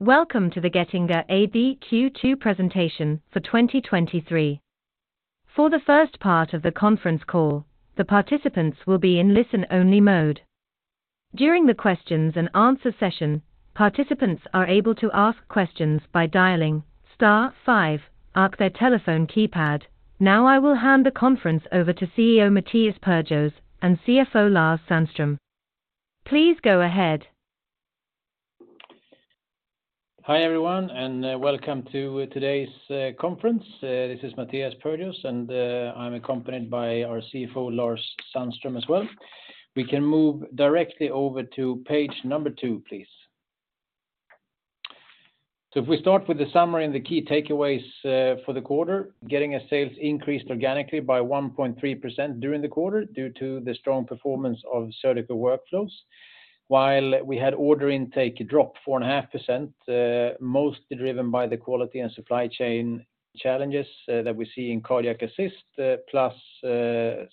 Welcome to the Getinge AB Q2 presentation for 2023. For the first part of the conference call, the participants will be in listen-only mode. During the questions and answer session, participants are able to ask questions by dialing star five on their telephone keypad. I will hand the conference over to CEO Mattias Perjos and CFO Lars Sandström. Please go ahead. Hi, everyone, and welcome to today's conference. This is Mattias Perjos, and I'm accompanied by our CFO, Lars Sandström, as well. We can move directly over to page number two, please. If we start with the summary and the key takeaways for the quarter, Getinge sales increased organically by 1.3% during the quarter due to the strong performance of Surgical Workflows. While we had order intake drop 4.5%, mostly driven by the quality and supply chain challenges that we see in cardiac assist, plus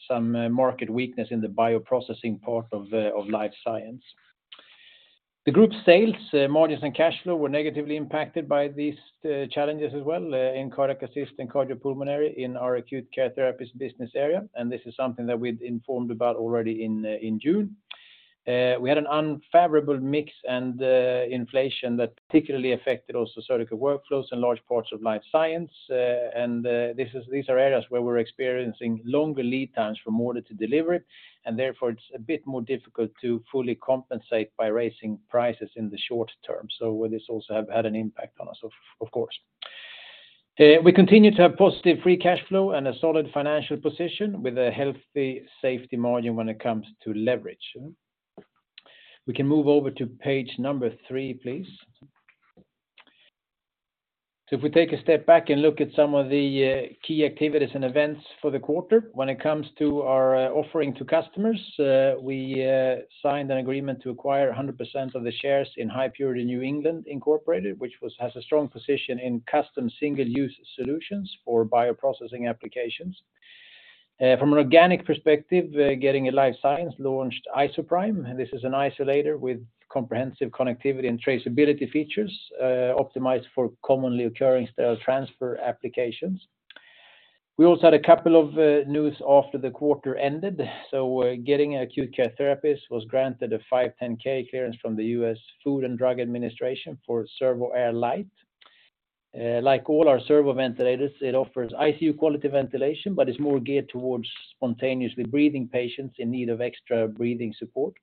some market weakness in the bioprocessing part of Life Science. The group sales, margins, and cash flow were negatively impacted by these challenges as well in cardiac assist and cardiopulmonary in our Acute Care Therapies business area. This is something that we'd informed about already in June. We had an unfavorable mix and inflation that particularly affected also Surgical Workflows in large parts of Life Science, and these are areas where we're experiencing longer lead times from order to delivery, and therefore, it's a bit more difficult to fully compensate by raising prices in the short term. This also have had an impact on us, of course. We continue to have positive free cash flow and a solid financial position with a healthy safety margin when it comes to leverage. We can move over to page number three, please. If we take a step back and look at some of the key activities and events for the quarter. When it comes to our offering to customers, we signed an agreement to acquire 100% of the shares in High Purity New England, Incorporated, which has a strong position in custom single-use solutions for bioprocessing applications. From an organic perspective, Getinge Life Science launched ISOPRIME, and this is an isolator with comprehensive connectivity and traceability features, optimized for commonly occurring cell transfer applications. We also had a couple of news after the quarter ended, Getinge Acute Care Therapies was granted a 510(k) clearance from the US Food and Drug Administration for Servo-air Lite. Like all our Servo ventilators, it offers ICU quality ventilation, but it's more geared towards spontaneously breathing patients in need of extra breathing support.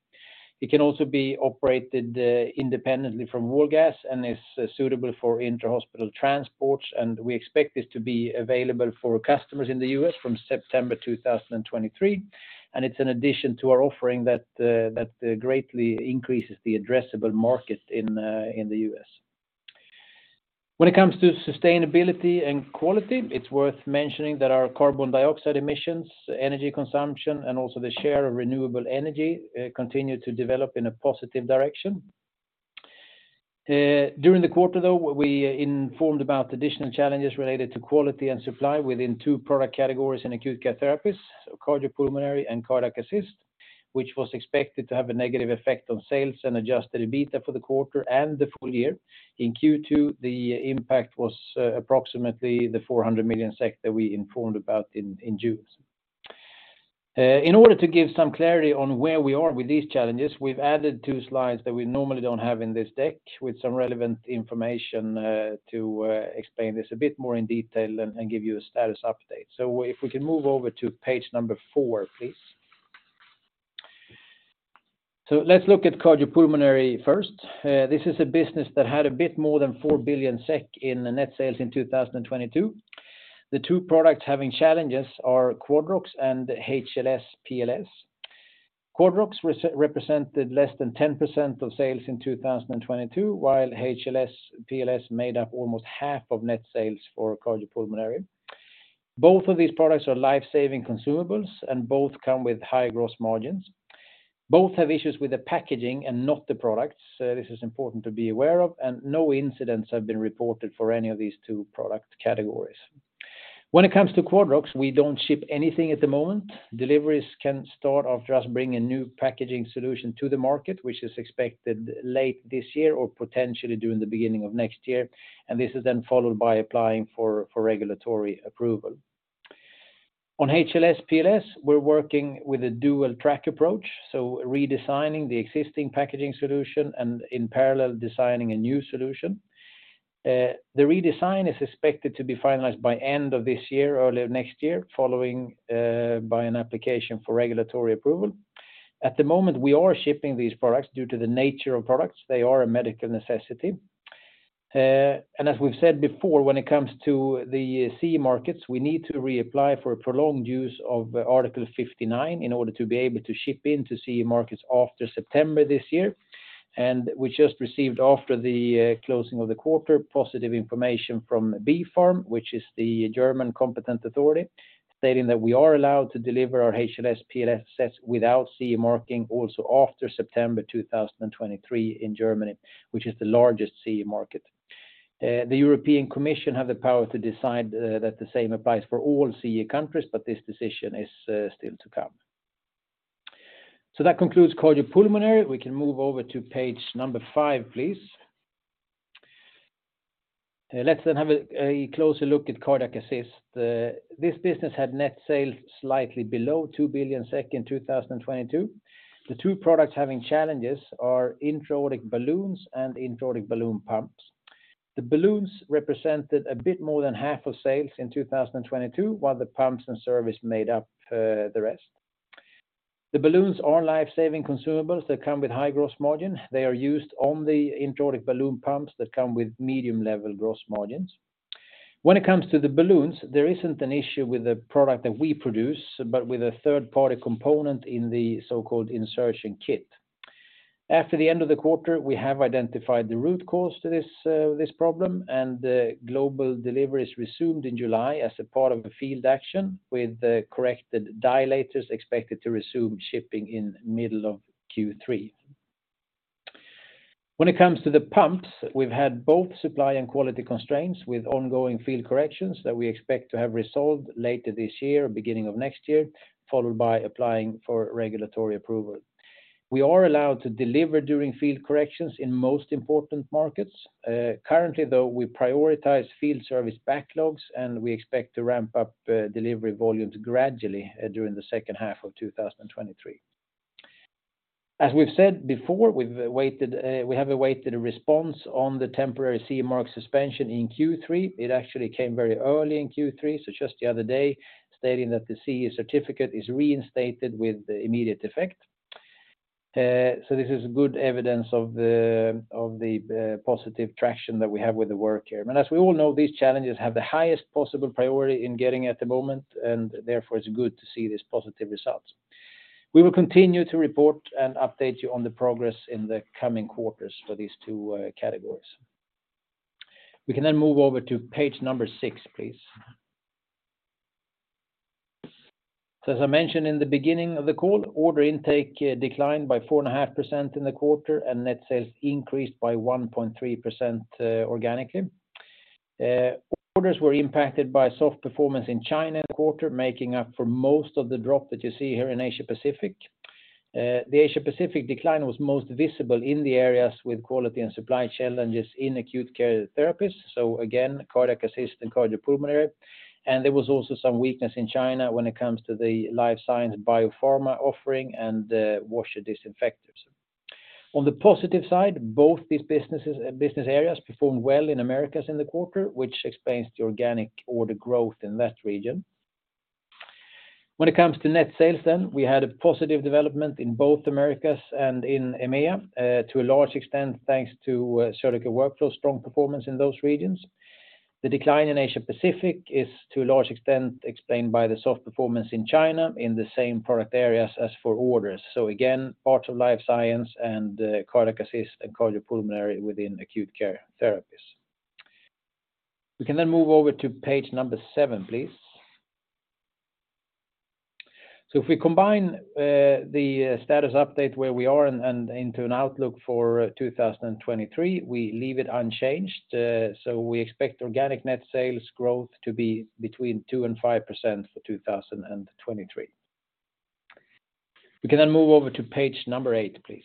It can also be operated independently from wall gas and is suitable for inter-hospital transports, and we expect this to be available for customers in the U.S. from September 2023. It's an addition to our offering that greatly increases the addressable market in the U.S. When it comes to sustainability and quality, it's worth mentioning that our carbon dioxide emissions, energy consumption, and also the share of renewable energy continue to develop in a positive direction. During the quarter, though, we informed about additional challenges related to quality and supply within two product categories in Acute Care Therapies: cardiopulmonary and cardiac assist, which was expected to have a negative effect on sales and adjusted EBITDA for the quarter and the full year. In Q2, the impact was approximately 400 million SEK that we informed about in June. In order to give some clarity on where we are with these challenges, we've added two slides that we normally don't have in this deck, with some relevant information to explain this a bit more in detail and give you a status update. If we can move over to page number four, please. Let's look at cardiopulmonary first. This is a business that had a bit more than 4 billion SEK in the net sales in 2022. The two products having challenges are QUADROX-i and HLS-PLS. QUADROX-i represented less than 10% of sales in 2022, while HLS-PLS made up almost half of net sales for cardiopulmonary. Both of these products are life-saving consumables, and both come with high gross margins. Both have issues with the packaging and not the products. This is important to be aware of, and no incidents have been reported for any of these two product categories. When it comes to QUADROX-i, we don't ship anything at the moment. Deliveries can start after us bringing new packaging solution to the market, which is expected late this year or potentially during the beginning of next year, and this is then followed by applying for regulatory approval. On HLS-PLS, we're working with a dual track approach, so redesigning the existing packaging solution and in parallel, designing a new solution. The redesign is expected to be finalized by end of this year, early next year, following by an application for regulatory approval. At the moment, we are shipping these products. Due to the nature of products, they are a medical necessity. As we've said before, when it comes to the CE markets, we need to reapply for a prolonged use of Article 59 in order to be able to ship into CE markets after September this year. We just received, after the closing of the quarter, positive information from BfArM, which is the German competent authority, stating that we are allowed to deliver our HLS-PLS without CE marking also after September 2023 in Germany, which is the largest CE market. The European Commission have the power to decide that the same applies for all CE countries, this decision is still to come. That concludes cardiopulmonary. We can move over to page number five, please. Let's have a closer look at cardiac assist. This business had net sales slightly below 2 billion SEK in 2022. The two products having challenges are intra-aortic balloons and intra-aortic balloon pumps. The balloons represented a bit more than half of sales in 2022, while the pumps and service made up the rest. The balloons are life-saving consumables that come with high gross margin. They are used on the intra-aortic balloon pumps that come with medium-level gross margins. When it comes to the balloons, there isn't an issue with the product that we produce, but with a third-party component in the so-called Insertion Kit. After the end of the quarter, we have identified the root cause to this problem, and the global deliveries resumed in July as a part of a field action, with the corrected dilators expected to resume shipping in middle of Q3. When it comes to the pumps, we've had both supply and quality constraints, with ongoing field corrections that we expect to have resolved later this year or beginning of next year, followed by applying for regulatory approval. We are allowed to deliver during field corrections in most important markets. Currently, though, we prioritize field service backlogs, and we expect to ramp up delivery volumes gradually during the second half of 2023. As we've said before, we've waited, we have awaited a response on the temporary CE mark suspension in Q3. It actually came very early in Q3, so just the other day, stating that the CE certificate is reinstated with immediate effect. This is good evidence of the positive traction that we have with the work here. As we all know, these challenges have the highest possible priority in Getinge at the moment, and therefore, it's good to see these positive results. We will continue to report and update you on the progress in the coming quarters for these two categories. We can move over to page number six, please. As I mentioned in the beginning of the call, order intake declined by 4.5% in the quarter, and net sales increased by 1.3% organically. Orders were impacted by soft performance in China in the quarter, making up for most of the drop that you see here in Asia Pacific. The Asia Pacific decline was most visible in the areas with quality and supply challenges in Acute Care Therapies, so again, cardiac assist and cardiopulmonary. There was also some weakness in China when it comes to the Life Science biopharma offering and washer-disinfectors. On the positive side, both these business areas performed well in Americas in the quarter, which explains the organic order growth in that region. When it comes to net sales, we had a positive development in both Americas and in EMEA, to a large extent, thanks to Surgical Workflows, strong performance in those regions. The decline in Asia Pacific is, to a large extent, explained by the soft performance in China, in the same product areas as for orders. Again, part of Life Science and cardiac assist and cardiopulmonary within Acute Care Therapies. We can move over to page number seven, please. If we combine the status update where we are into an outlook for 2023, we leave it unchanged. We expect organic net sales growth to be between 2% and 5% for 2023. We can move over to page number eight, please.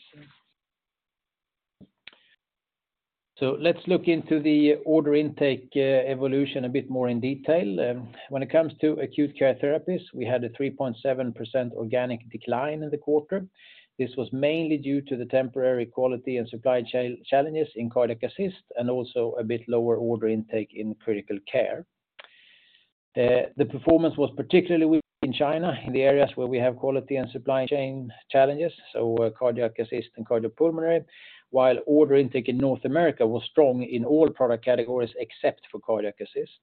Let's look into the order intake evolution a bit more in detail. When it comes to Acute Care Therapies, we had a 3.7% organic decline in the quarter. This was mainly due to the temporary quality and supply challenges in cardiac assist, and also a bit lower order intake in Critical Care. The performance was particularly weak in China, in the areas where we have quality and supply chain challenges, so cardiac assist and cardiopulmonary, while order intake in North America was strong in all product categories except for cardiac assist.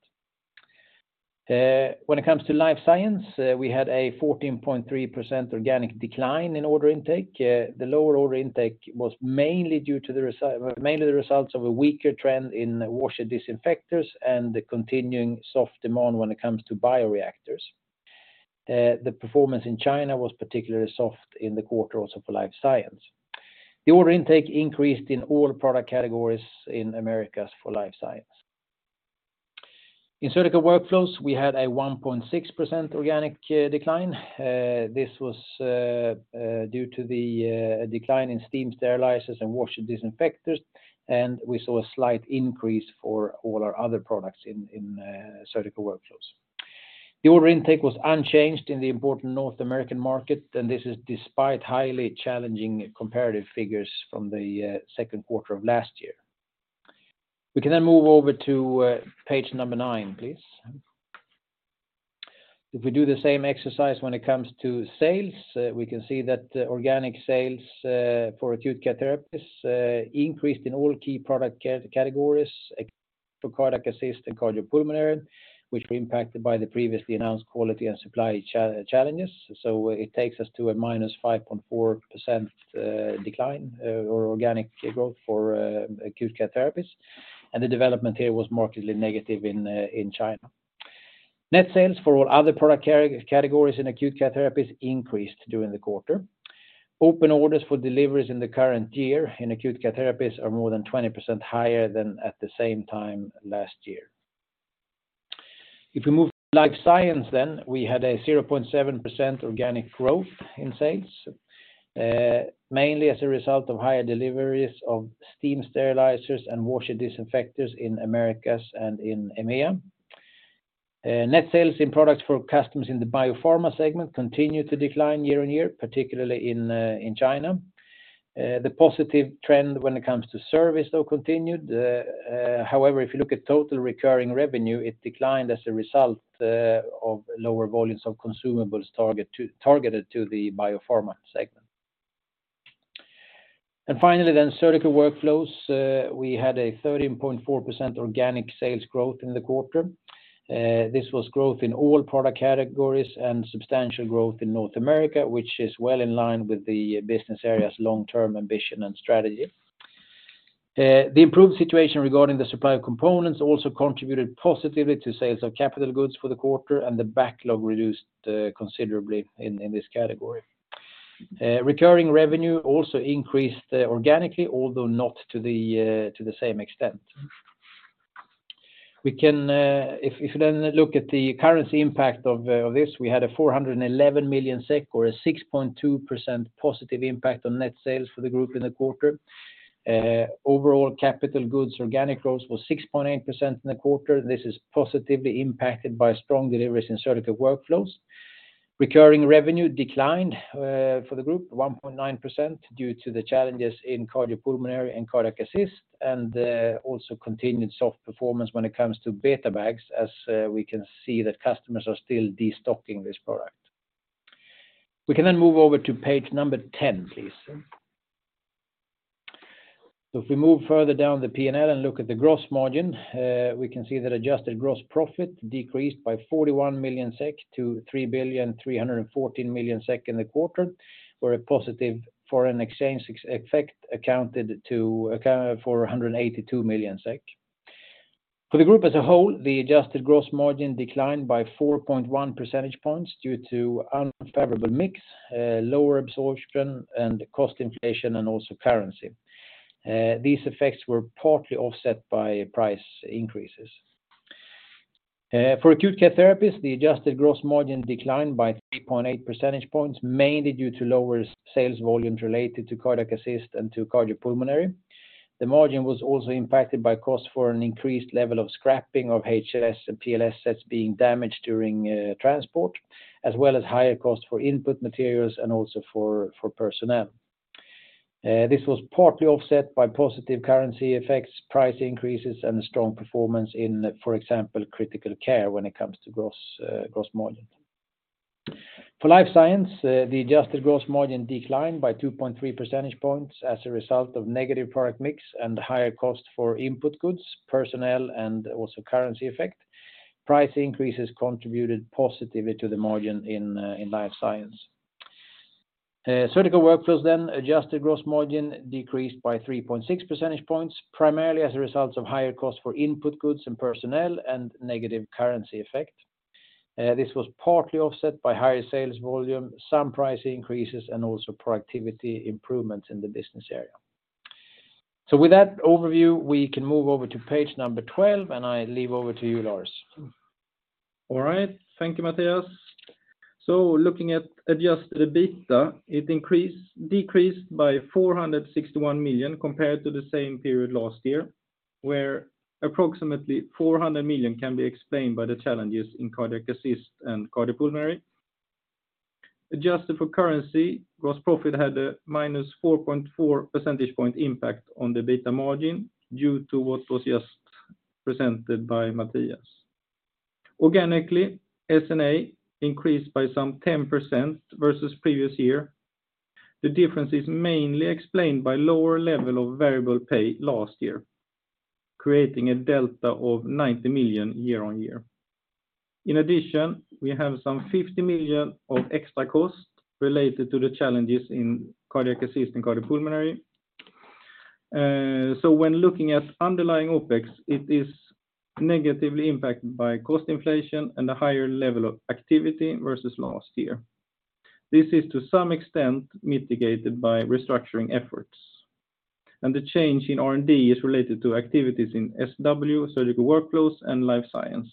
When it comes to Life Science, we had a 14.3% organic decline in order intake. The lower order intake was mainly the results of a weaker trend in washer-disinfectors and the continuing soft demand when it comes to bioreactors. The performance in China was particularly soft in the quarter also for Life Science. The order intake increased in all product categories in Americas for Life Science. In Surgical Workflows, we had a 1.6% organic decline. This was due to the decline in steam sterilizers and washer disinfectors. We saw a slight increase for all our other products in Surgical Workflows. The order intake was unchanged in the important North American market. This is despite highly challenging comparative figures from the second quarter of last year. We can move over to page number nine, please. If we do the same exercise when it comes to sales, we can see that organic sales for Acute Care Therapies increased in all key product categories, for cardiac assist and cardiopulmonary, which were impacted by the previously announced quality and supply challenges. It takes us to a -5.4% decline or organic growth for Acute Care Therapies, and the development here was markedly negative in China. Net sales for all other product categories in Acute Care Therapies increased during the quarter. Open orders for deliveries in the current year in Acute Care Therapies are more than 20% higher than at the same time last year. If we move to Life Science, we had a 0.7% organic growth in sales, mainly as a result of higher deliveries of steam sterilizers and washer-disinfectors in Americas and in EMEA. Net sales in products for customers in the biopharma segment continued to decline year-on-year, particularly in China. The positive trend when it comes to service, though, continued. However, if you look at total recurring revenue, it declined as a result of lower volumes of consumables targeted to the biopharma segment. Finally, Surgical Workflows, we had a 13.4% organic sales growth in the quarter. This was growth in all product categories and substantial growth in North America, which is well in line with the business area's long-term ambition and strategy. The improved situation regarding the supply of components also contributed positively to sales of capital goods for the quarter, and the backlog reduced considerably in this category. Recurring revenue also increased organically, although not to the same extent. We can, if you then look at the currency impact of this, we had a 411 million SEK, or a 6.2% positive impact on net sales for the group in the quarter. Overall, capital goods organic growth was 6.8% in the quarter. This is positively impacted by strong deliveries in Surgical Workflows. Recurring revenue declined for the group 1.9% due to the challenges in cardiopulmonary and cardiac assist, and also continued soft performance when it comes to BetaBags, as we can see that customers are still destocking this product. We can move over to page number 10, please. If we move further down the P&L and look at the gross margin, we can see that adjusted gross profit decreased by 41 million-3,314,000,000 SEK in the quarter, where a positive foreign exchange effect accounted for 182 million SEK. For the group as a whole, the adjusted gross margin declined by 4.1 percentage points due to unfavorable mix, lower absorption, and cost inflation, and also currency. These effects were partly offset by price increases. For Acute Care Therapies, the adjusted gross margin declined by 3.8 percentage points, mainly due to lower sales volumes related to cardiac assist and to cardiopulmonary. The margin was also impacted by cost for an increased level of scrapping of HLS and PLS Sets being damaged during transport, as well as higher cost for input materials and also for personnel. This was partly offset by positive currency effects, price increases, and a strong performance in, for example, Critical Care when it comes to gross margin. For Life Science, the adjusted gross margin declined by 2.3 percentage points as a result of negative product mix and higher cost for input goods, personnel, and also currency effect. Price increases contributed positively to the margin in Life Science. Surgical Workflows adjusted gross margin decreased by 3.6 percentage points, primarily as a result of higher cost for input goods and personnel and negative currency effect. This was partly offset by higher sales volume, some price increases, and also productivity improvements in the business area. With that overview, we can move over to page number 12, and I leave over to you, Lars. All right. Thank you, Mattias. Looking at adjusted EBITDA, it decreased by 461 million compared to the same period last year, where approximately 400 million can be explained by the challenges in cardiac assist and cardiopulmonary. Adjusted for currency, gross profit had a -4.4 percentage point impact on the EBITDA margin due to what was just presented by Mattias. Organically, SNA increased by some 10% versus previous year. The difference is mainly explained by lower level of variable pay last year, creating a delta of 90 million year-on-year. In addition, we have some 50 million of extra cost related to the challenges in cardiac assist and cardiopulmonary. When looking at underlying OpEx, it is negatively impacted by cost inflation and a higher level of activity versus last year. This is, to some extent, mitigated by restructuring efforts, and the change in R&D is related to activities in SW, Surgical Workflows, and Life Science.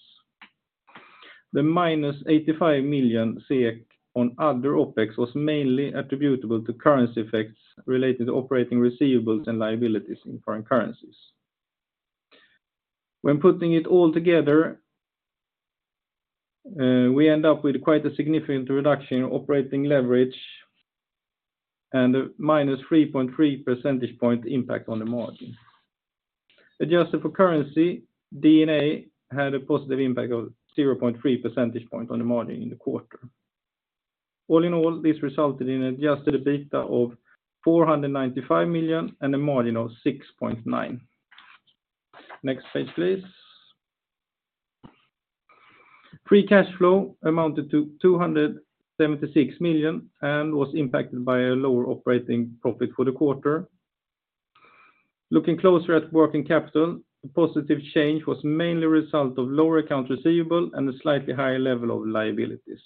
The -85 million SEK on other OpEx was mainly attributable to currency effects related to operating receivables and liabilities in foreign currencies. When putting it all together, we end up with quite a significant reduction in operating leverage and a -3.3 percentage point impact on the margin. Adjusted for currency, DNA had a positive impact of 0.3 percentage point on the margin in the quarter. All in all, this resulted in adjusted EBITDA of 495 million and a margin of 6.9%. Next page, please. Free cash flow amounted to 276 million and was impacted by a lower operating profit for the quarter. Looking closer at working capital, the positive change was mainly a result of lower account receivable and a slightly higher level of liabilities.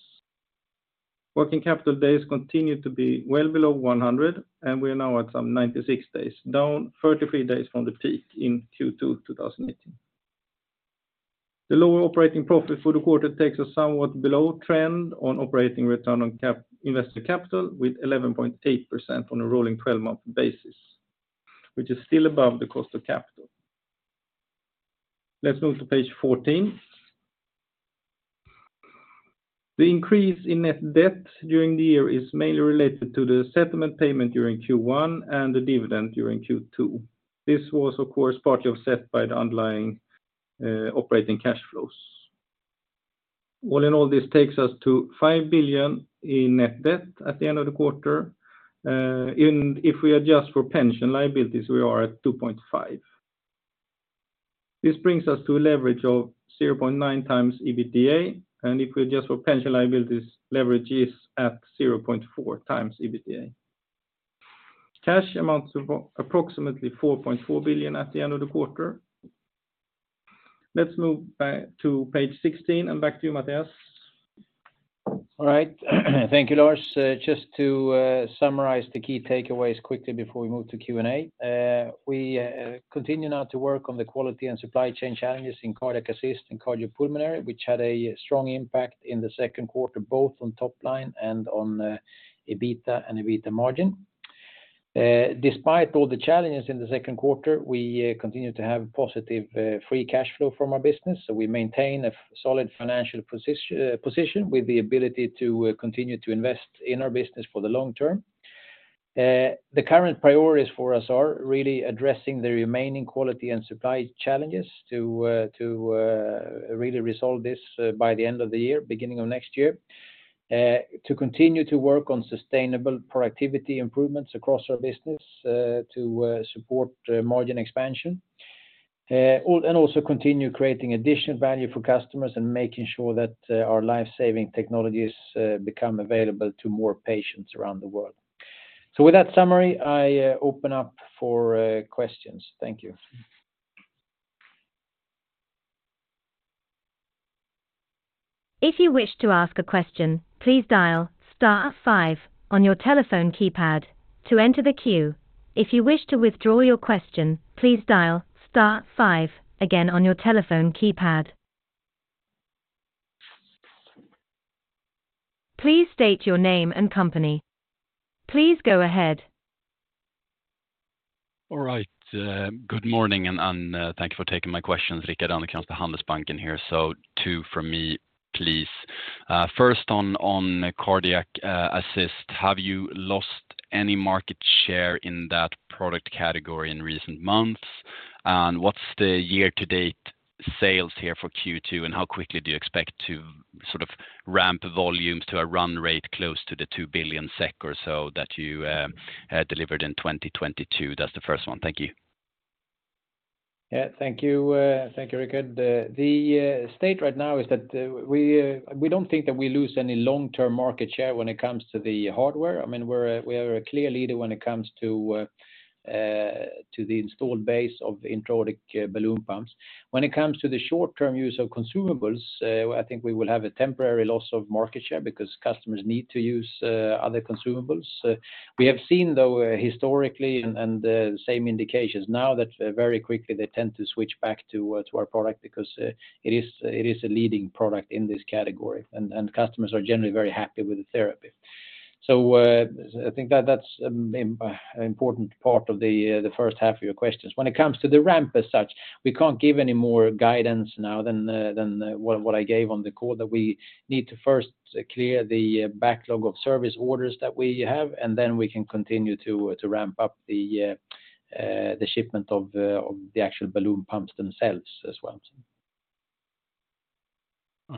working capital days continue to be well below 100, and we are now at some 96 days, down 33 days from the peak in Q2 2018. The lower operating profit for the quarter takes us somewhat below trend on operating return on invested capital with 11.8% on a rolling 12-month basis, which is still above the cost of capital. Let's move to page 14. The increase in net debt during the year is mainly related to the settlement payment during Q1 and the dividend during Q2. This was, of course, partly offset by the underlying operating cash flows. All in all, this takes us to 5 billion in net debt at the end of the quarter. If we adjust for pension liabilities, we are at 2.5 billion. This brings us to a leverage of 0.9x EBITDA, and if we adjust for pension liabilities, leverage is at 0.4x EBITDA. Cash amounts to approximately 4.4 billion at the end of the quarter. Let's move back to page 16, back to you, Mattias. All right, thank you, Lars. Just to summarize the key takeaways quickly before we move to Q&A. We continue now to work on the quality and supply chain challenges in cardiac assist and cardiopulmonary, which had a strong impact in the second quarter, both on top line and on EBITDA and EBITDA margin. Despite all the challenges in the second quarter, we continue to have positive free cash flow from our business. We maintain a solid financial position with the ability to continue to invest in our business for the long term. The current priorities for us are really addressing the remaining quality and supply challenges to really resolve this by the end of the year, beginning of next year. To continue to work on sustainable productivity improvements across our business, to support margin expansion. And also continue creating additional value for customers and making sure that our life-saving technologies become available to more patients around the world. With that summary, I open up for questions. Thank you. If you wish to ask a question, please dial star five on your telephone keypad to enter the queue. If you wish to withdraw your question, please dial star five again on your telephone keypad. Please state your name and company. Please go ahead. All right, good morning, and thank you for taking my questions. Rickard Anderkrans comes to Handelsbanken here. Two from me, please. First on cardiac assist, have you lost any market share in that product category in recent months? What's the year-to-date sales here for Q2, and how quickly do you expect to sort of ramp volumes to a run rate close to the 2 billion SEK or so that you delivered in 2022? That's the first one. Thank you. Thank you, thank you, Rickard. The state right now is that we don't think that we lose any long-term market share when it comes to the hardware. I mean, we are a clear leader when it comes to the installed base of intra-aortic balloon pumps. When it comes to the short-term use of consumables, I think we will have a temporary loss of market share because customers need to use other consumables. We have seen, though, historically, and the same indications now that very quickly they tend to switch back to our product because it is a leading product in this category, and customers are generally very happy with the therapy. I think that's an important part of the first half of your questions. When it comes to the ramp as such, we can't give any more guidance now than what I gave on the call, that we need to first clear the backlog of service orders that we have, and then we can continue to ramp up the shipment of the actual balloon pumps themselves as well.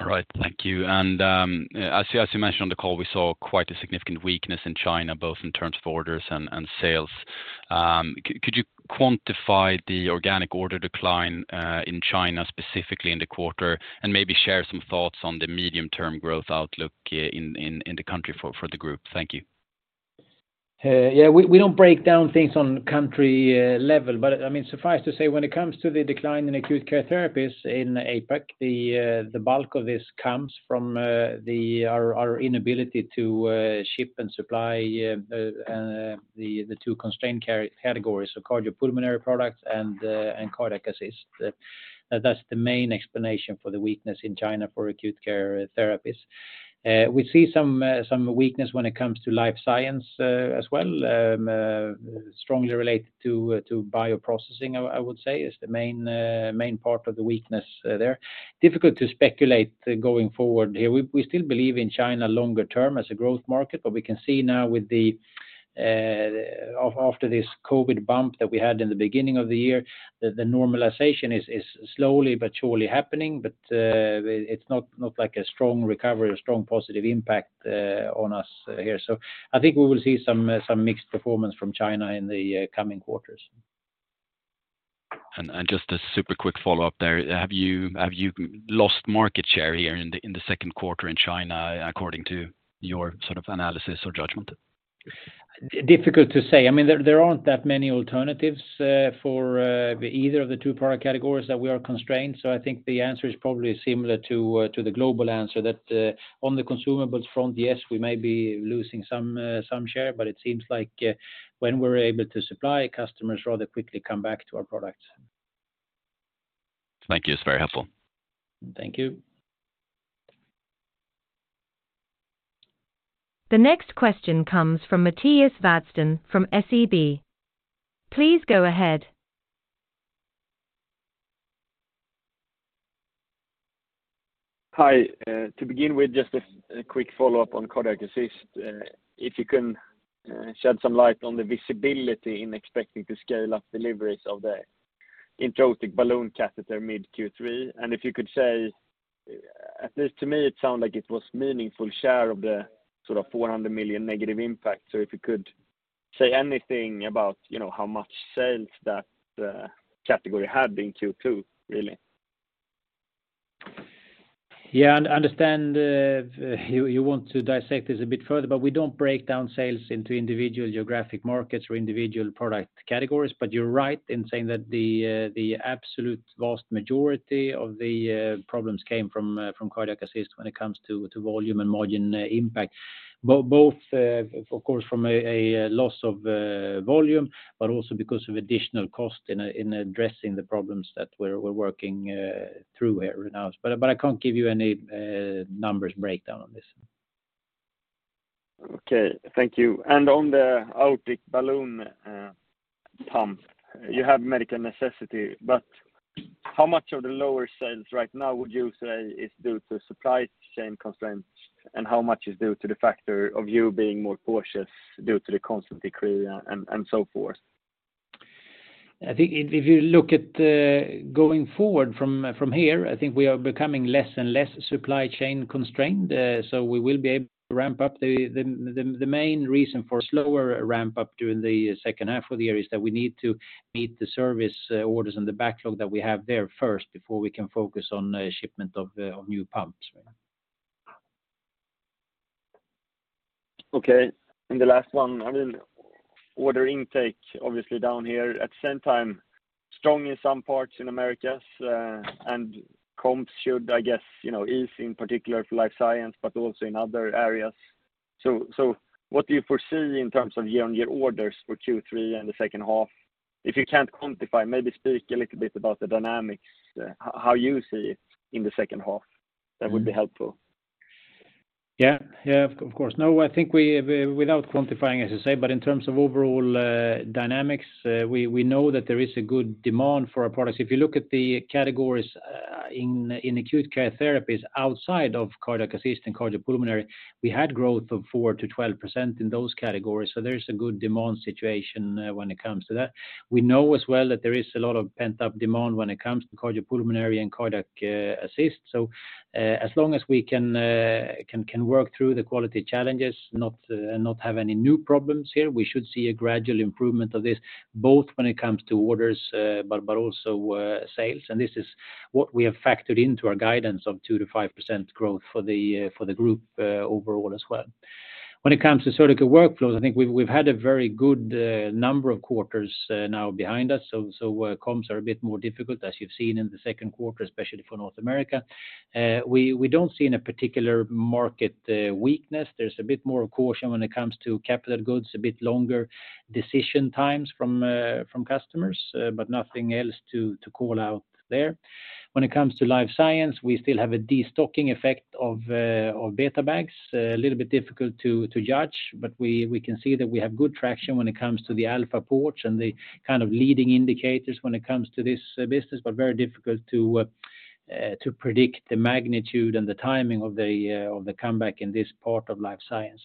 All right, thank you. As you mentioned on the call, we saw quite a significant weakness in China, both in terms of orders and sales. Could you quantify the organic order decline in China, specifically in the quarter, and maybe share some thoughts on the medium-term growth outlook in the country for the group? Thank you. Yeah, we don't break down things on country level. I mean, suffice to say, when it comes to the decline in Acute Care Therapies in APAC, the bulk of this comes from our inability to ship and supply the two constrained categories, so cardiopulmonary products and cardiac assist. That's the main explanation for the weakness in China for Acute Care Therapies. We see some weakness when it comes to Life Science as well, strongly related to bioprocessing, I would say, is the main part of the weakness there. Difficult to speculate going forward here. We still believe in China longer term as a growth market, we can see now with the after this COVID bump that we had in the beginning of the year, that the normalization is slowly but surely happening. It's not like a strong recovery or strong positive impact on us here. I think we will see some mixed performance from China in the coming quarters. Just a super quick follow-up there. Have you lost market share here in the second quarter in China, according to your sort of analysis or judgment? Difficult to say. I mean, there aren't that many alternatives, for, either of the two product categories that we are constrained. I think the answer is probably similar to the global answer, that, on the consumables front, yes, we may be losing some share, but it seems like, when we're able to supply, customers rather quickly come back to our products. Thank you. It's very helpful. Thank you. The next question comes from Mattias Vadsten from SEB. Please go ahead. Hi. To begin with, just a quick follow-up on cardiac assist. If you can shed some light on the visibility in expecting to scale up deliveries of the intra-aortic balloon catheter mid Q3, and if you could say, at least to me, it sounded like it was meaningful share of the sort of 400 million negative impact. If you could say anything about, you know, how much sales that category had in Q2, really? Yeah, I understand, you want to dissect this a bit further. We don't break down sales into individual geographic markets or individual product categories. You're right in saying that the absolute vast majority of the problems came from cardiac assist when it comes to volume and margin impact. Both, of course, from a loss of volume, but also because of additional cost in addressing the problems that we're working through here right now. I can't give you any numbers breakdown on this. Okay, thank you. On the aortic balloon pump, you have medical necessity, but how much of the lower sales right now would you say is due to supply chain constraints? How much is due to the factor of you being more cautious due to the consent decree and so forth? I think if you look at the going forward from here, I think we are becoming less and less supply chain constrained, so we will be able to ramp up the main reason for slower ramp up during the second half of the year is that we need to meet the service orders and the backlog that we have there first before we can focus on shipment of new pumps. Okay. The last one, I mean, order intake, obviously down here. At the same time, strong in some parts in Americas, and comps should, I guess, you know, ease in particular for Life Science, but also in other areas. What do you foresee in terms of year-on-year orders for Q3 and the second half? If you can't quantify, maybe speak a little bit about the dynamics, how you see it in the second half? That would be helpful. Yeah, of course. No, I think we, without quantifying, as you say, but in terms of overall dynamics, we know that there is a good demand for our products. If you look at the categories in Acute Care Therapies outside of cardiac assist and cardiopulmonary, we had growth of 4%-12% in those categories, so there's a good demand situation when it comes to that. We know as well that there is a lot of pent-up demand when it comes to cardiopulmonary and cardiac assist. As long as we can work through the quality challenges, not have any new problems here, we should see a gradual improvement of this, both when it comes to orders, but also sales. This is what we have factored into our guidance of 2%-5% growth for the group overall as well. When it comes to Surgical Workflows, I think we've had a very good number of quarters now behind us. Comps are a bit more difficult, as you've seen in the second quarter, especially for North America. We don't see any particular market weakness. There's a bit more caution when it comes to capital goods, a bit longer decision times from customers, but nothing else to call out there. When it comes to Life Science, we still have a destocking effect of BetaBags. A little bit difficult to judge, but we can see that we have good traction when it comes to the alpha approach and the kind of leading indicators when it comes to this business, but very difficult to predict the magnitude and the timing of the comeback in this part of Life Science.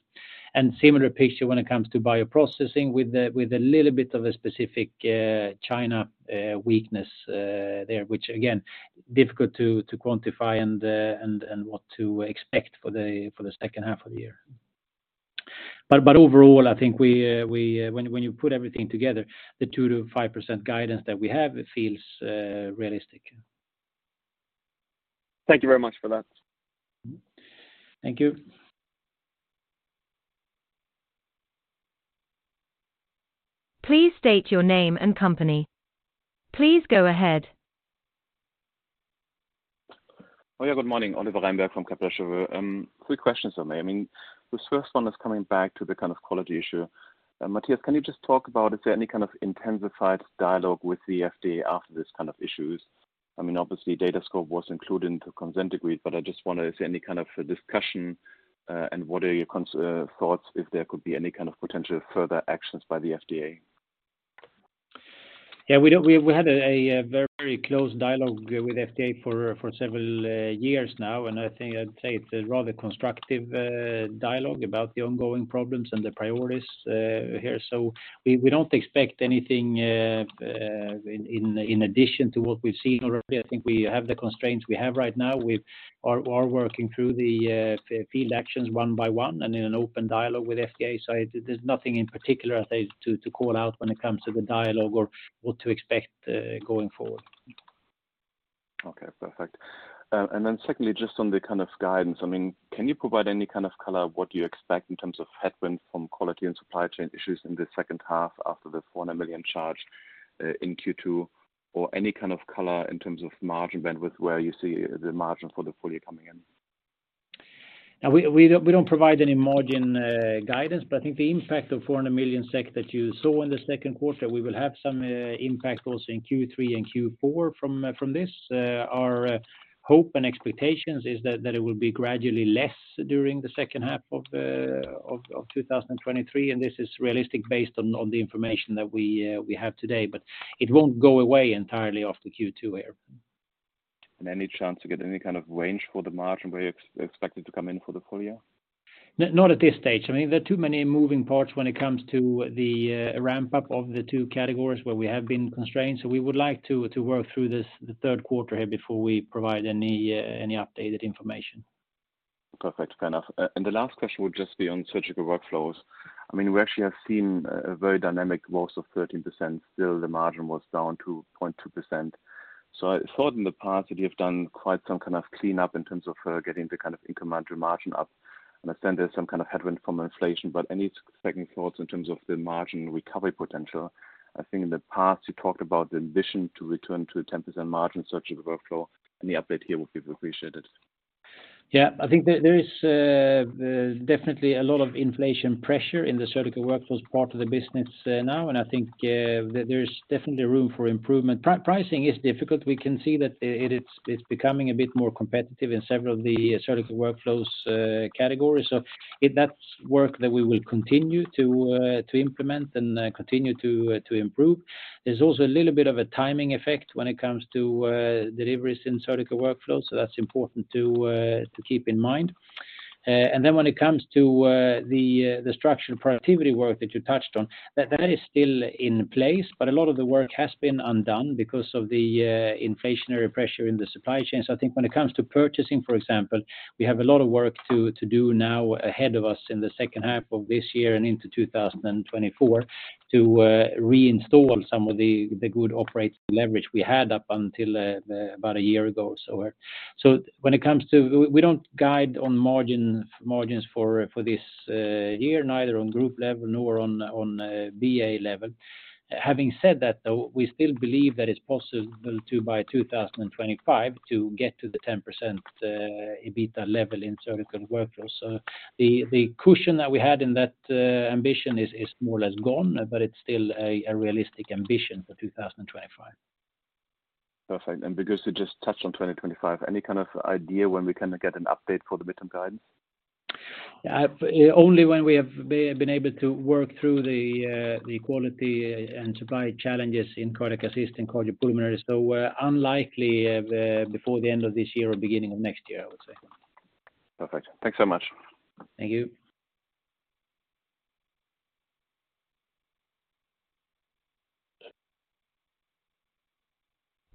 Similar picture when it comes to bioprocessing with a little bit of a specific China weakness there, which again, difficult to quantify and what to expect for the second half of the year. Overall, I think we, when you put everything together, the 2%-5% guidance that we have, it feels realistic. Thank you very much for that. Thank you. Please state your name and company. Please go ahead. Good morning, Oliver Reinberg from Kepler Cheuvreux. Quick questions on there. I mean, this first one is coming back to the kind of quality issue. Mattias, can you just talk about, is there any kind of intensified dialogue with the FDA after this kind of issues? I mean, obviously, Datascope was included into consent decree, but I just wonder, is there any kind of discussion, and what are your thoughts if there could be any kind of potential further actions by the FDA? We had a very close dialogue with FDA for several years now. I think I'd say it's a rather constructive dialogue about the ongoing problems and the priorities here. We don't expect anything in addition to what we've seen already. I think we have the constraints we have right now. We are working through the field actions one by one and in an open dialogue with FDA. There's nothing in particular, I say, to call out when it comes to the dialogue or what to expect going forward. Okay, perfect. Secondly, just on the kind of guidance, can you provide any kind of color what you expect in terms of headwind from quality and supply chain issues in the second half after the 400 million charge in Q2? Or any kind of color in terms of margin bandwidth, where you see the margin for the full year coming in? We don't provide any margin guidance, but I think the impact of 400 million SEK that you saw in the second quarter, we will have some impact also in Q3 and Q4 from this. Our hope and expectations is that it will be gradually less during the second half of 2023. This is realistic based on the information that we have today. It won't go away entirely off the Q2 here. Any chance to get any kind of range for the margin where you expect it to come in for the full year? Not at this stage. I mean, there are too many moving parts when it comes to the ramp-up of the two categories where we have been constrained. We would like to work through this, the third quarter here before we provide any updated information. Perfect, fair enough. The last question would just be on Surgical Workflows. I mean, we actually have seen a very dynamic loss of 13%. Still, the margin was down to 0.2%. I thought in the past that you've done quite some kind of cleanup in terms of getting the kind of incremental margin up. I understand there's some kind of headwind from inflation, but any second thoughts in terms of the margin recovery potential? I think in the past, you talked about the ambition to return to a 10% margin Surgical Workflows. Any update here would be appreciated. Yeah, I think there is definitely a lot of inflation pressure in the Surgical Workflows part of the business now, and I think there's definitely room for improvement. Pricing is difficult. We can see that it's becoming a bit more competitive in several of the Surgical Workflows categories. If that's work that we will continue to implement and continue to improve. There's also a little bit of a timing effect when it comes to deliveries in Surgical Workflows, so that's important to keep in mind. Then when it comes to the structural productivity work that you touched on, that is still in place, but a lot of the work has been undone because of the inflationary pressure in the supply chain. I think when it comes to purchasing, for example, we have a lot of work to do now ahead of us in the second half of this year and into 2024, to reinstall some of the good operating leverage we had up until about a year ago or so. When it comes to, we don't guide on margin, margins for this year, neither on group level nor on BA level. Having said that, though, we still believe that it's possible to, by 2025, to get to the 10% EBITDA level in Surgical Workflows. The cushion that we had in that ambition is more or less gone, but it's still a realistic ambition for 2025. Perfect. Because you just touched on 2025, any kind of idea when we can get an update for the midterm guidance? Only when we have been able to work through the quality and supply challenges in cardiac assist and cardiopulmonary. Unlikely before the end of this year or beginning of next year, I would say. Perfect. Thanks so much. Thank you.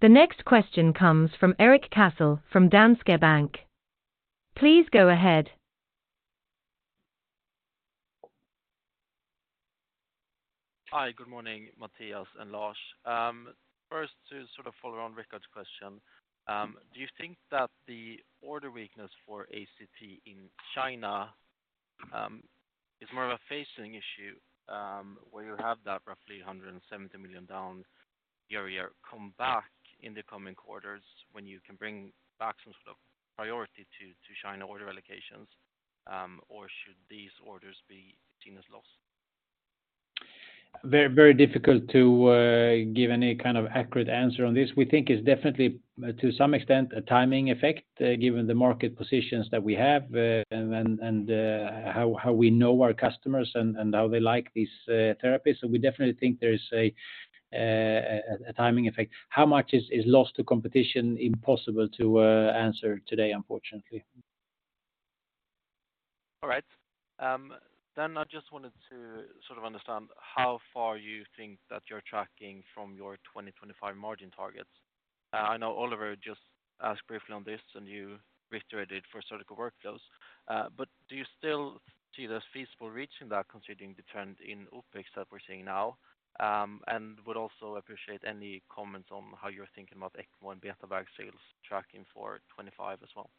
The next question comes from Erik Cassel, from Danske Bank. Please go ahead. Hi, good morning, Mattias and Lars. First, to sort of follow on Rickard's question, do you think that the order weakness for ACT in China, is more of a phasing issue, where you have that roughly 170 million down year-over-year, come back in the coming quarters when you can bring back some sort of priority to China order allocations, or should these orders be seen as lost? Very, very difficult to give any kind of accurate answer on this. We think it's definitely to some extent, a timing effect, given the market positions that we have, and how we know our customers and how they like these therapies. We definitely think there is a timing effect. How much is lost to competition? Impossible to answer today, unfortunately. All right. I just wanted to sort of understand how far you think that you're tracking from your 2025 margin targets. I know Oliver just asked briefly on this, and you reiterated for Surgical Workflows, but do you still see this feasible reaching that, considering the trend in OpEx that we're seeing now? Would also appreciate any comments on how you're thinking about ECMO and BetaBags sales tracking for 2025 as well.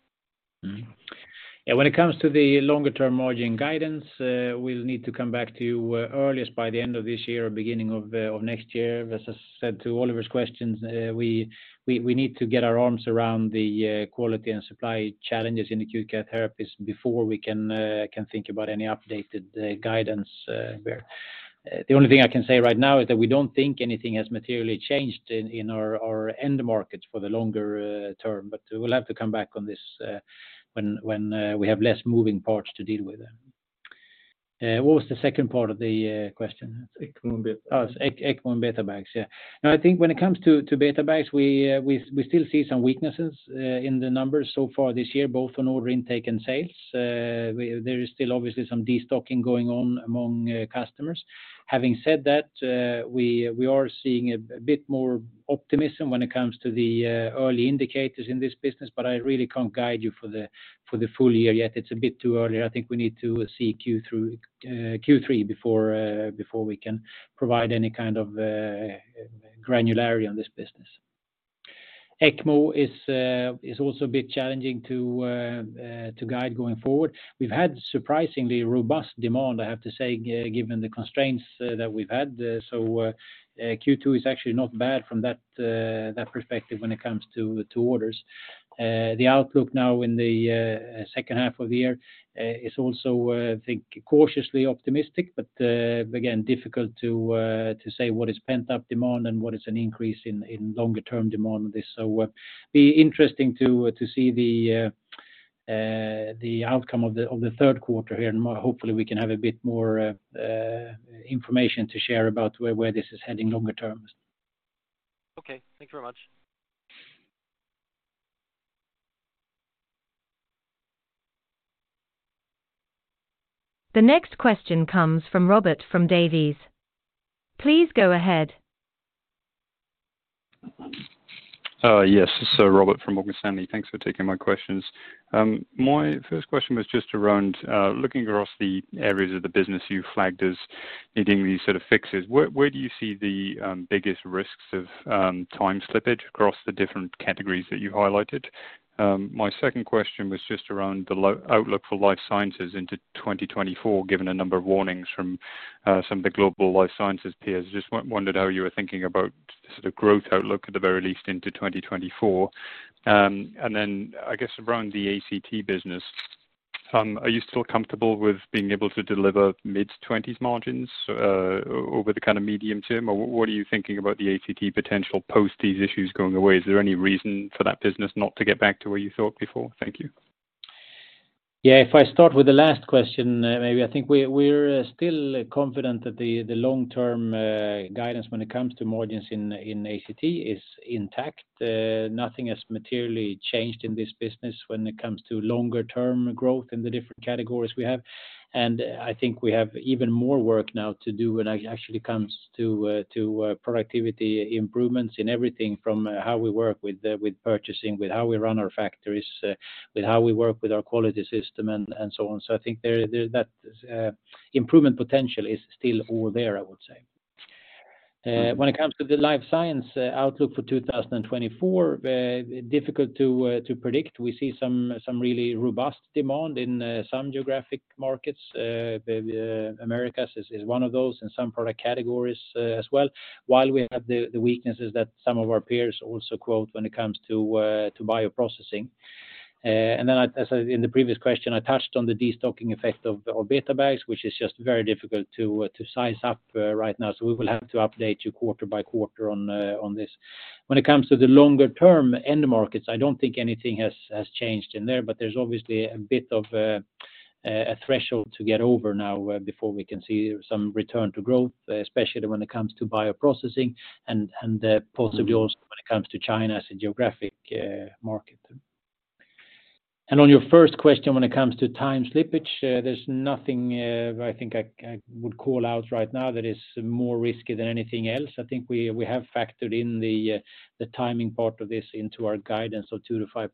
When it comes to the longer-term margin guidance, we'll need to come back to you earliest by the end of this year or beginning of next year. As I said to Oliver's questions, we need to get our arms around the quality and supply challenges in the Acute Care Therapies before we can think about any updated guidance there. The only thing I can say right now is that we don't think anything has materially changed in our end markets for the longer term, we'll have to come back on this when we have less moving parts to deal with. What was the second part of the question? ECMO and Beta. Oh, ECMO and BetaBags. Yeah. I think when it comes to BetaBags, we still see some weaknesses in the numbers so far this year, both on order intake and sales. There is still obviously some destocking going on among customers. Having said that, we are seeing a bit more optimism when it comes to the early indicators in this business, but I really can't guide you for the full year yet. It's a bit too early. I think we need to see Q2, Q3 before we can provide any kind of granularity on this business. ECMO is also a bit challenging to guide going forward. We've had surprisingly robust demand, I have to say, given the constraints that we've had. Q2 is actually not bad from that perspective when it comes to orders. The outlook now in the second half of the year is also, I think, cautiously optimistic, but again, difficult to say what is pent-up demand and what is an increase in longer-term demand on this. Be interesting to see the outcome of the third quarter here, and hopefully we can have a bit more information to share about where this is heading longer term. Okay. Thank you very much. The next question comes from Robert Davies. Please go ahead. Robert from Morgan Stanley. Thanks for taking my questions. My first question was just around looking across the areas of the business you flagged as needing these sort of fixes. Where, where do you see the biggest risks of time slippage across the different categories that you highlighted? My second question was just around the outlook for life sciences into 2024, given a number of warnings from some of the global life sciences peers. Just wondered how you were thinking about the sort of growth outlook at the very least into 2024. I guess around the ACT business, are you still comfortable with being able to deliver mid-20s margins over the kind of medium term? What are you thinking about the ACT potential post these issues going away? Is there any reason for that business not to get back to where you thought before? Thank you. Yeah, if I start with the last question, maybe I think we're still confident that the long-term guidance when it comes to margins in ACT is intact. Nothing has materially changed in this business when it comes to longer term growth in the different categories we have. I think we have even more work now to do when it actually comes to productivity improvements in everything from how we work with purchasing, with how we run our factories, with how we work with our quality system, and so on. I think that improvement potential is still all there, I would say. When it comes to the Life Science outlook for 2024, difficult to predict. We see some really robust demand in some geographic markets. The Americas is one of those, and some product categories as well. While we have the weaknesses that some of our peers also quote when it comes to bioprocessing. As in the previous question, I touched on the destocking effect of BetaBags, which is just very difficult to size up right now. We will have to update you quarter-by-quarter on this. When it comes to the longer term end markets, I don't think anything has changed in there, but there's obviously a bit of a threshold to get over now before we can see some return to growth, especially when it comes to bioprocessing and, possibly also when it comes to China as a geographic market. On your first question, when it comes to time slippage, there's nothing I think I would call out right now that is more risky than anything else. I think we have factored in the timing part of this into our guidance of 2%-5%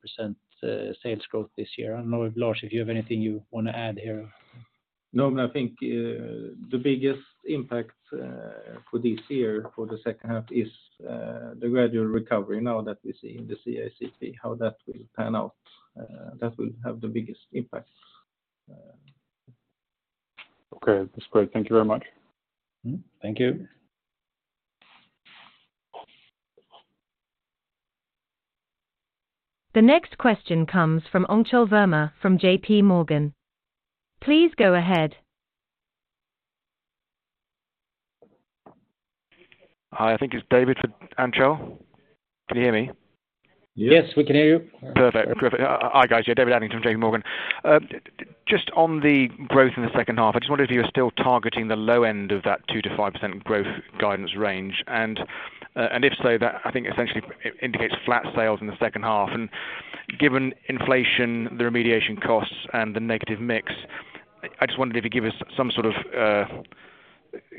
sales growth this year. I don't know if, Lars, if you have anything you want to add here. I think the biggest impact for this year, for the second half is the gradual recovery now that we see in the CICP, how that will pan out, that will have the biggest impact. Okay, that's great. Thank you very much. Mm-hmm. Thank you. The next question comes from Anchal Verma from JPMorgan. Please go ahead. Hi, I think it's David for Anchal. Can you hear me? Yes, we can hear you. Perfect. Terrific. Hi, guys. David Adlington from JPMorgan. Just on the growth in the second half, I just wondered if you were still targeting the low end of that 2%-5% growth guidance range. If so, that I think essentially indicates flat sales in the second half. Given inflation, the remediation costs, and the negative mix, I just wondered if you give us some sort of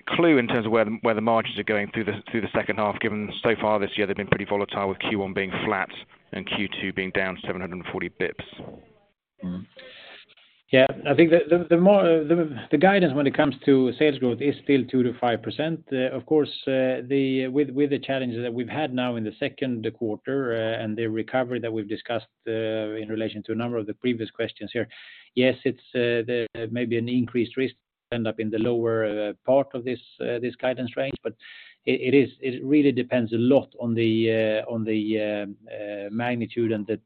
clue in terms of where the, where the margins are going through the, through the second half, given so far this year, they've been pretty volatile, with Q1 being flat and Q2 being down 740 bps. Mm-hmm. Yeah, I think the guidance when it comes to sales growth is still 2%-5%. Of course, with the challenges that we've had now in the second quarter, and the recovery that we've discussed in relation to a number of the previous questions here, yes, there may be an increased risk end up in the lower part of this guidance range, but it really depends a lot on the magnitude and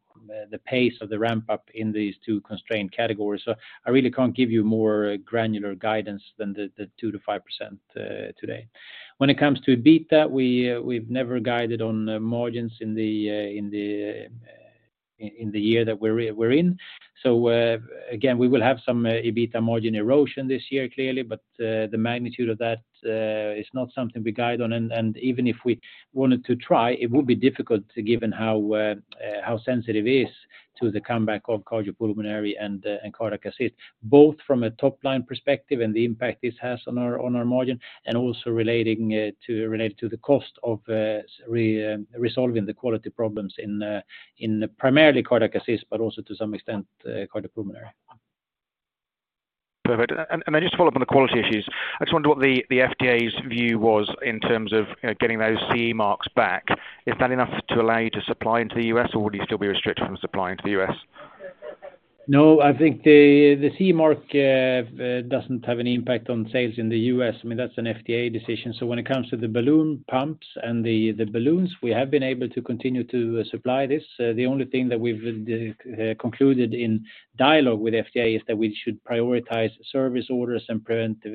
the pace of the ramp-up in these two constrained categories. So I really can't give you more granular guidance than the 2%-5% today. When it comes to EBITDA, we've never guided on the margins in the year that we're in. Again, we will have some EBITDA margin erosion this year, clearly, but the magnitude of that is not something we guide on. Even if we wanted to try, it would be difficult, given how sensitive it is to the comeback of cardiopulmonary and cardiac assist, both from a top-line perspective and the impact this has on our margin, and also related to the cost of resolving the quality problems in primarily cardiac assist, but also to some extent cardiopulmonary. Perfect. I just follow up on the quality issues. I just wonder what the FDA's view was in terms of, you know, getting those CE marks back. Is that enough to allow you to supply into the U.S., or would you still be restricted from supplying to the U.S.? No, I think the CE mark doesn't have any impact on sales in the U.S. I mean, that's an FDA decision. When it comes to the balloon pumps and the balloons, we have been able to continue to supply this. The only thing that we've concluded in dialogue with FDA is that we should prioritize service orders and preventive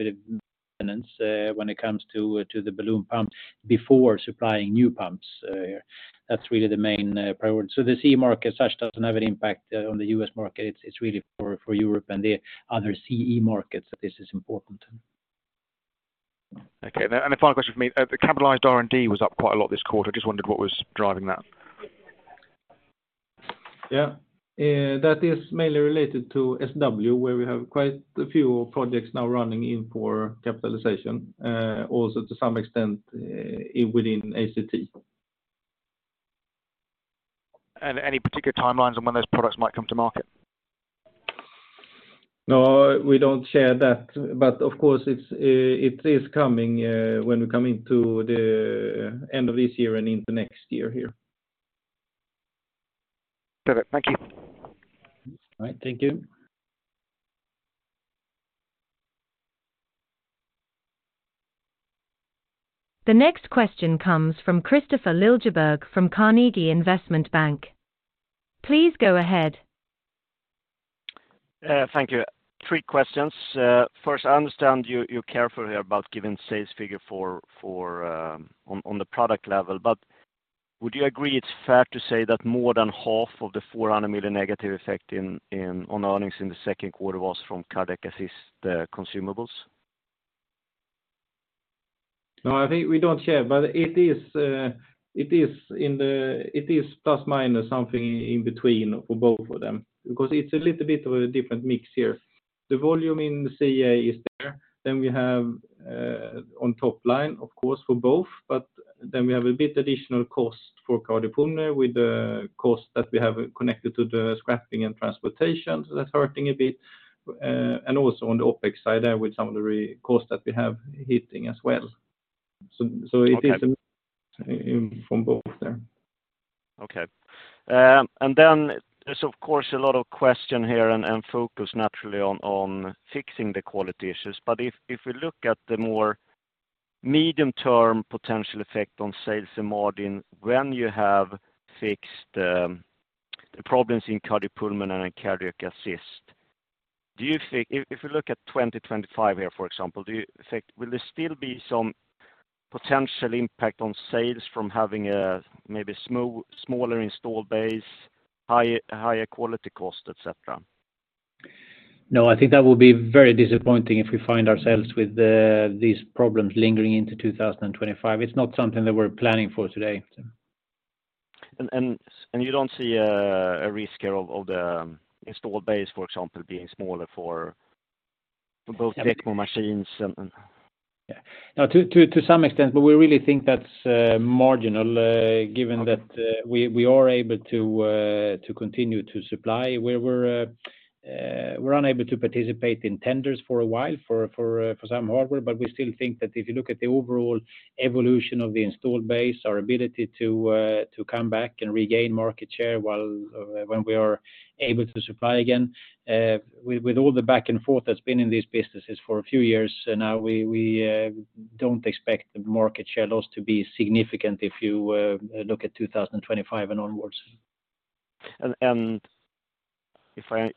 maintenance when it comes to the balloon pump before supplying new pumps. That's really the main priority. The CE mark as such doesn't have an impact on the U.S. market. It's really for Europe and the other CE markets that this is important. Okay. The final question for me, the capitalized R&D was up quite a lot this quarter. I just wondered what was driving that? Yeah. That is mainly related to SW, where we have quite a few projects now running in for capitalization, also to some extent, within ACT. Any particular timelines on when those products might come to market? We don't share that, but of course, it's, it is coming, when we come into the end of this year and into next year here. Perfect. Thank you. All right. Thank you. The next question comes from Kristofer Liljeberg from Carnegie Investment Bank. Please go ahead. Thank you. Three questions. First, I understand you're careful here about giving sales figure for on the product level, but would you agree it's fair to say that more than half of the 400 million negative effect on earnings in the second quarter was from Cardiac Assist consumables? No, I think we don't share, but it is plus/minus something in between for both of them, because it's a little bit of a different mix here. The volume in CA is there. We have, on top line, of course, for both, but then we have a bit additional cost for cardiopulmonary with the cost that we have connected to the scrapping and transportation, so that's hurting a bit. Also on the OpEx side there, with some of the cost that we have hitting as well. It is. Okay From both there. Okay. Then there's, of course, a lot of question here and focus naturally on fixing the quality issues. If we look at the more medium-term potential effect on sales in [margin], when you have fixed the problems in Cardiopulmonary and Cardiac Assist, if we look at 2025 here, for example, will there still be some potential impact on sales from having a maybe smaller install base, higher quality cost, et cetera? No, I think that will be very disappointing if we find ourselves with the, these problems lingering into 2025. It's not something that we're planning for today. You don't see a risk here of the install base, for example, being smaller for both ECMO machines and...? Yeah. Now, to some extent, but we really think that's marginal, given that we are able to continue to supply. We're unable to participate in tenders for a while for some hardware, but we still think that if you look at the overall evolution of the installed base, our ability to come back and regain market share while when we are able to supply again. With all the back and forth that's been in these businesses for a few years now, we don't expect the market share loss to be significant if you look at 2025 and onwards. If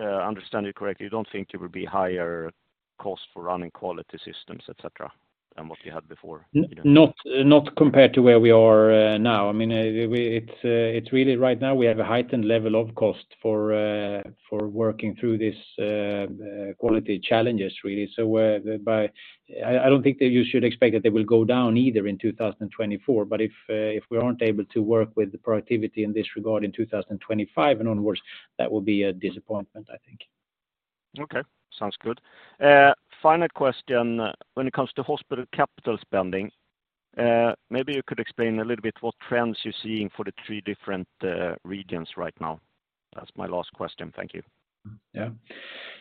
I understand you correctly, you don't think it will be higher cost for running quality systems, et cetera, than what you had before? Not compared to where we are now. I mean, it's really right now, we have a heightened level of cost for working through this quality challenges, really. We're, but I don't think that you should expect that they will go down either in 2024, if we aren't able to work with the productivity in this regard in 2025 and onwards, that will be a disappointment, I think. Okay. Sounds good. final question. When it comes to hospital capital spending, maybe you could explain a little bit what trends you're seeing for the three different regions right now. That's my last question. Thank you. Yeah.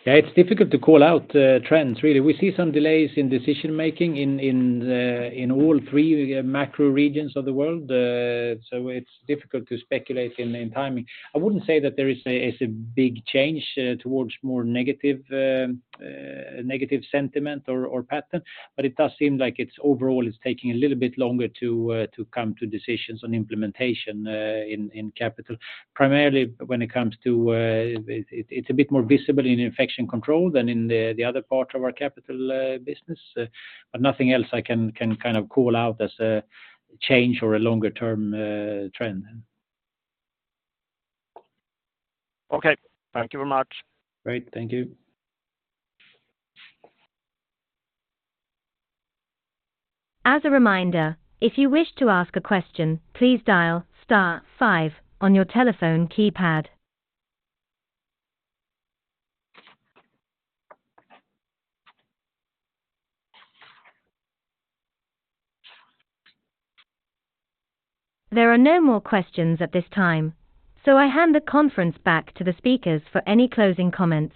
Yeah, it's difficult to call out trends, really. We see some delays in decision-making in in all three macro regions of the world. It's difficult to speculate in timing. I wouldn't say that there is a big change towards more negative negative sentiment or pattern, but it does seem like it's overall, it's taking a little bit longer to come to decisions on implementation in capital. Primarily, when it comes to, it's a bit more visible in Infection Control than in the other part of our capital business, but nothing else I can call out as a change or a longer-term trend. Okay. Thank you very much. Great. Thank you. As a reminder, if you wish to ask a question, please dial star five on your telephone keypad. There are no more questions at this time, I hand the conference back to the speakers for any closing comments.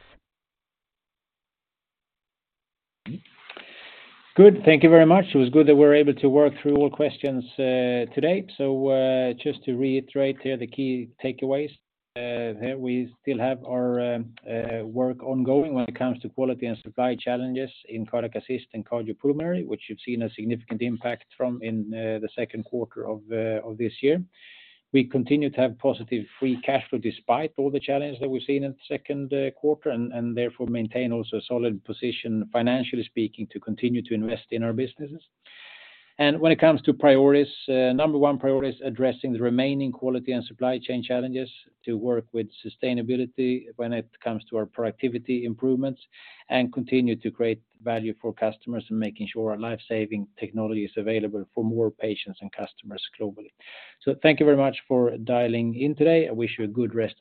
Good. Thank you very much. It was good that we were able to work through all questions today. Just to reiterate here the key takeaways. We still have our work ongoing when it comes to quality and supply challenges in Cardiac Assist and Cardiopulmonary, which you've seen a significant impact from in the second quarter of this year. We continue to have positive free cash flow despite all the challenges that we've seen in the second quarter, and therefore, maintain also a solid position, financially speaking, to continue to invest in our businesses. When it comes to priorities, number one priority is addressing the remaining quality and supply chain challenges, to work with sustainability when it comes to our productivity improvements, and continue to create value for customers and making sure our life-saving technology is available for more patients and customers globally. Thank you very much for dialing in today. I wish you a good rest of the-